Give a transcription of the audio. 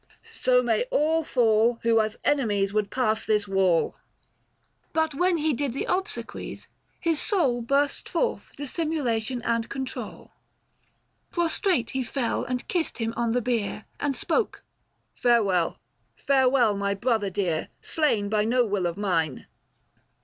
" So may all Fall who as enemies would pass this wall." 136 THE FASTI. Book IV. But when he did the obsequies, his soul 985 Burst forth dissimulation and control ; Prostrate he fell and kissed him on the bier, And spoke, " Farewell, farewell, my brother dear, Slain by no will of mine